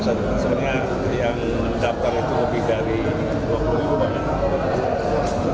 karena yang mendaftar itu lebih dari dua puluh ribu